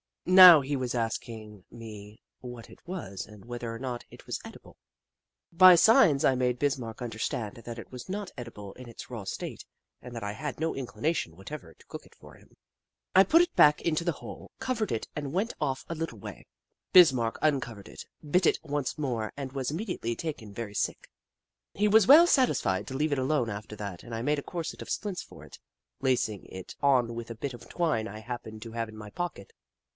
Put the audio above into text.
Now he was asking me what it was and whether or not it was edible. Kitchi Kitchi 93 By signs I made Bismarck understand that it was not edible in its raw state, and that I had no inclination whatever to cook it for him. I put it back into the hole, covered it, and went off a little way. Bismarck uncovered it, bit it once more, and was immediately taken very sick. He was well satisfied to leave it alone after that, and I made a corset of splints for it, lacing it on with a bit of twine I happened to have in my pocket.